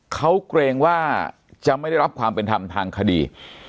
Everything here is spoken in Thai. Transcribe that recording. เขาเกรงว่าจะไม่ได้รับความเป็นธรรมทางคดี